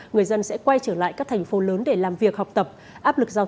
người dân sẽ quay trở lại các thành phố lớn để làm việc học tập